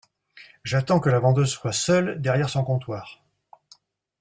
J’attends que la vendeuse soit seule derrière son comptoir.